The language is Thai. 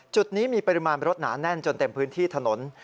จุดนี้มีปริมาณรถหนาแน่นจนเต็มพื้นที่ถนน